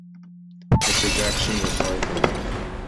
Mr. Jackson was sorry for Mike.